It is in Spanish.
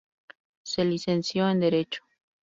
Se licenció en Derecho.